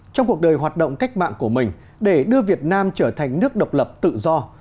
trong cuộc đời hoạt động cách mạng của mình để đưa việt nam trở thành nước độc lập tự do